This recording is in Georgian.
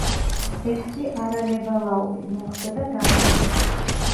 ექვსი არალევალაური მოგრძო და დაბალი.